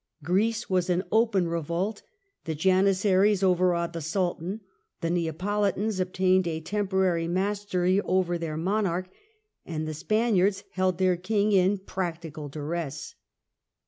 Greece was in open revolt, the Janissaries overawed the Sultan, the Neapolitans obtained a tem porary mastery over their monarch, and the Spaniards held their king in practical duress.